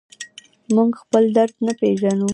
موږ خپل درد نه پېژنو.